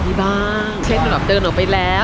มีบ้างเช่นเดินออกไปแล้ว